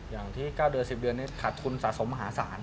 อย่างที่๙เดือน๑๐เดือนนี้ขาดทุนสะสมมหาศาล